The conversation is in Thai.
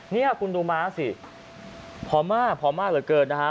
นี่คุณดูม้าสิผอมมากเหลือเกินนะคะ